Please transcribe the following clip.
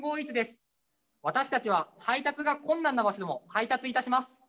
私たちは配達が困難な場所でも配達いたします。